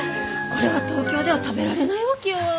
これは東京では食べられないわけよ！